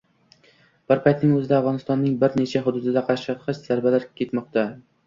Bir paytning o‘zida Afg‘onistonning bir necha hududida qaqshatqich janglar ketmoqda.